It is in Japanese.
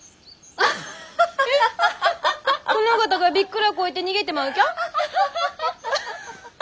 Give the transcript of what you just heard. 殿方がびっくらこいて逃げてまうきゃ？